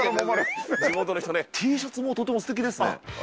Ｔシャツもとてもすてきですね。